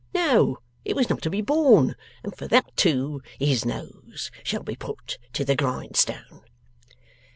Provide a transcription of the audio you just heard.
No, it was not to be borne. And for that, too, his nose shall be put to the grindstone.